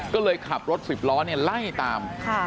ก็เลยขับรถ๑๐ล้อไล่ตาม